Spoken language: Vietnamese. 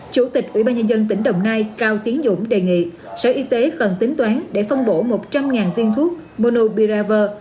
chủ tịch ubnd tỉnh đồng nai cao tiến dũng đề nghị sở y tế cần tính toán để phân bổ một trăm linh viên thuốc monobiraver